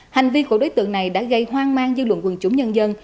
hành vi của đối tượng này đã gây hoang mang dư luận quần chúng nhân dân